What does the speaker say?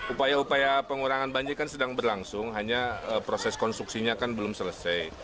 upaya upaya pengurangan banjir kan sedang berlangsung hanya proses konstruksinya kan belum selesai